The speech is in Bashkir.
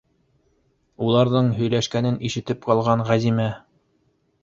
Уларҙың һөйләшкәнен ишетеп ҡалған Ғәзимә: